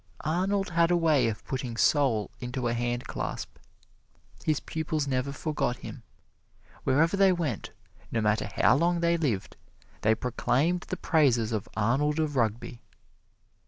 Arnold had a way of putting soul into a hand clasp. His pupils never forgot him. Wherever they went, no matter how long they lived, they proclaimed the praises of Arnold of Rugby.